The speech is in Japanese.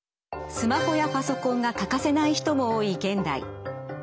スマホやパソコンが欠かせない人も多い現代。